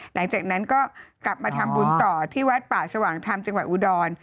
หลังจากนั้นก็กลับมาทำบุญต่อที่วัดป่าสว่างธรรมจังหวัดอุดร